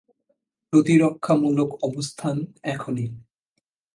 প্রতিরক্ষামূলক অবস্থান, এখনই!